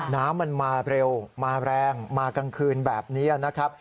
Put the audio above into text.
น้ำมันมาเร็วมาแรงมากลางคืนแบบนี้นะครับ